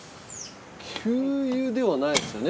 給油ではないですよね